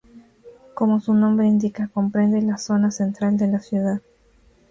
Como su nombre indica, comprende la zona central de la ciudad.